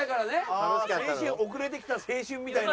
ああー青春遅れてきた青春みたいな。